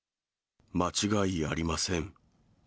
間違いありません。